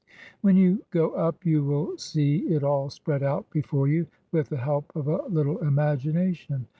"When you go up, you will see it all spread out before you — with the help of a little imagination.